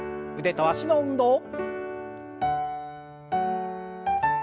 腕と脚の運動。